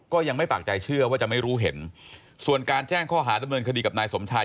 ก็ยังไม่ปากใจเชื่อว่าจะไม่รู้เห็นส่วนการแจ้งข้อหาดำเนินคดีกับนายสมชาย